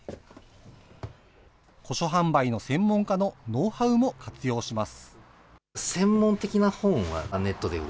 古書販売の専門家のノウハウも活用します。